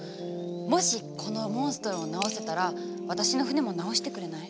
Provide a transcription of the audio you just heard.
もしこのモンストロを治せたら私の船も直してくれない？